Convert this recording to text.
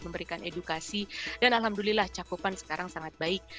memberikan edukasi dan alhamdulillah cakupan sekarang sangat baik